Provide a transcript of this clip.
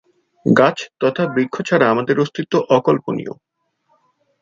গাছ তথা বৃক্ষ ছাড়া আমাদের অস্তিত্ব অকল্পনীয়।